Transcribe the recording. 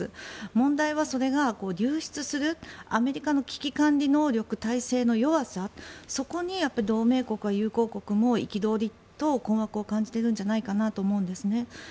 問題はそれが流出するアメリカの危機管理能力体制の弱さそこに同盟国や友好国も憤りと困惑を感じているんじゃないかなと思うんです。